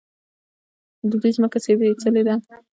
د دوی ځمکه سپیڅلې ده.